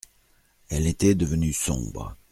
Elle était devenue sombre.